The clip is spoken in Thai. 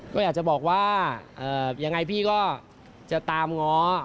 ก็อยากจะบอกว่ายังไงพี่ก็จะตามง้อ